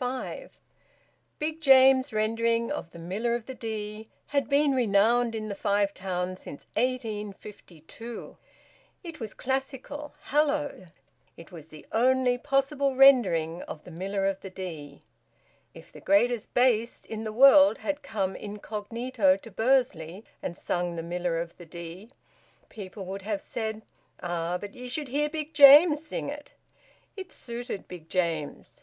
FIVE. Big James's rendering of "The Miller of the Dee" had been renowned in the Five Towns since 1852. It was classical, hallowed. It was the only possible rendering of "The Miller of the Dee." If the greatest bass in the world had come incognito to Bursley and sung "The Miller of the Dee," people would have said, "Ah! But ye should hear Big James sing it!" It suited Big James.